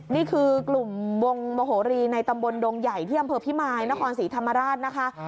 นี่คือกลุ่มวงโมโหรีในตำบลดงใหญ่ที่อำเภอพิมายนครศรีธรรมราชนะคะ